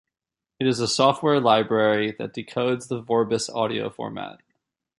It is a software library that decodes the Vorbis audio format.